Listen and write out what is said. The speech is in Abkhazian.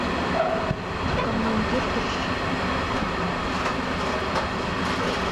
Ҳкомандир дыршьит!